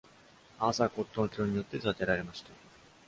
アーサー・コットン卿によって建てられました。